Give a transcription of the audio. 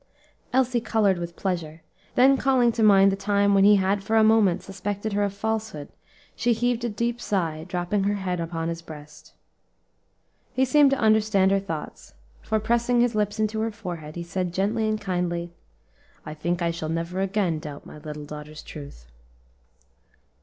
Elsie colored with pleasure, then calling to mind the time when he had for a moment suspected her of falsehood, she heaved a deep sigh, dropping her head upon his breast. He seemed to understand her thoughts, for, pressing his lips to her forehead, he said gently and kindly, "I think I shall never again doubt my little daughter's truth."